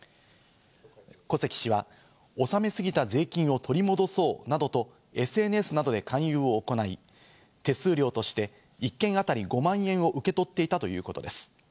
古関氏は納めすぎた税金を取り戻そうなどと、ＳＮＳなどで勧誘を行い、手数料として１件当たり５万円を受け取っていたということです。